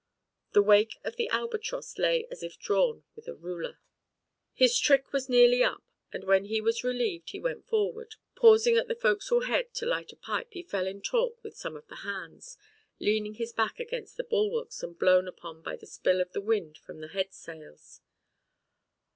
The wake of the Albatross lay as if drawn with a ruler. His trick was nearly up, and when he was relieved he went forward; pausing at the fo'c'sle head to light a pipe he fell in talk with some of the hands, leaning with his back against the bulwarks and blown upon by the spill of the wind from the head sails.